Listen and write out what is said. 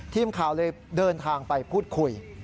ทีมข่าวเลยเดินทางไปพูดคุย